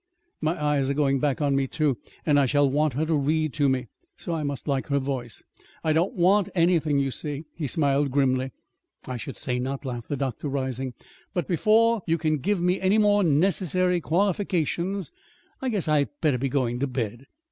My eyes are going back on me, too, and I shall want her to read to me; so I must like her voice. I don't want anything, you see," he smiled grimly. "I should say not," laughed the doctor, rising. "But before you can give me any more necessary qualifications, I guess I'd better be going to bed."